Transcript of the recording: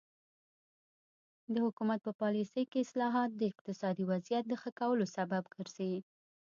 د حکومت په پالیسۍ کې اصلاحات د اقتصادي وضعیت د ښه کولو سبب ګرځي.